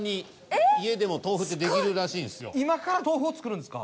今から豆腐を作るんですか？